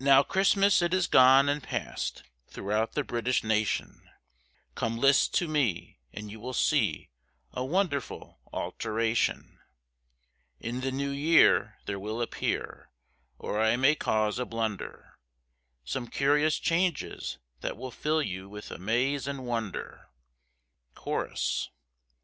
Now Christmas it is gone and past, throughout the British nation, Come list to me and you will see a wonderful alteration; In the new year there will appear, or I may cause a blunder, Some curious changes that will fill you with amaze and wonder. CHORUS.